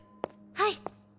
はい。